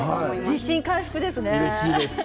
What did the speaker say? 自信回復ですね。